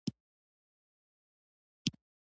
وروسته یې فاسد رژیم ته لار هواره کړه.